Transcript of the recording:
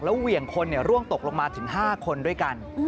เหวี่ยงคนร่วงตกลงมาถึง๕คนด้วยกัน